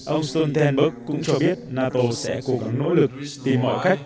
ông stoltenberg cũng cho biết nato sẽ cố gắng nỗ lực tìm mọi cách